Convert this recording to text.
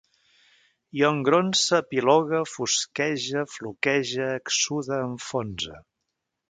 Jo engronse, epilogue, fosquege, floquege, exsude, enfonse